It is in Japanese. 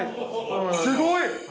すごい。